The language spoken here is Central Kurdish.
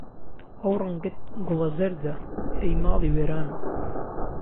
ئهو رهنگهت گوڵه زهرده ئهی ماڵی وێرانم